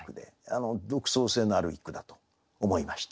独創性のある一句だと思いました。